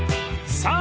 ［さあ